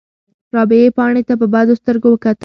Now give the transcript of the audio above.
رابعې پاڼې ته په بدو سترګو وکتل.